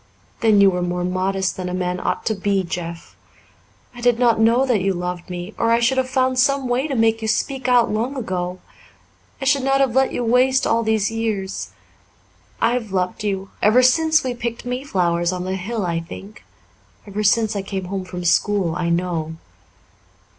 "Then you were more modest than a man ought to be, Jeff. I did not know that you loved me, or I should have found some way to make you speak out long ago. I should not have let you waste all these years. I've loved you ever since we picked mayflowers on the hill, I think ever since I came home from school, I know.